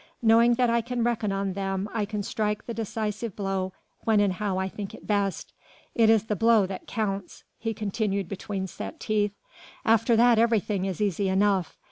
Knowing that I can reckon on them I can strike the decisive blow when and how I think it best. It is the blow that counts," he continued between set teeth, "after that everything is easy enough.